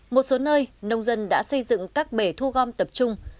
một số nơi nông dân đã xây dựng các bể thu gom tập trung